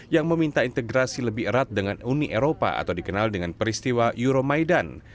yang meminta integrasi lebih erat dengan uni eropa atau dikenal dengan peristiwa euromaidan